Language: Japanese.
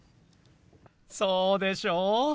そうでしょ。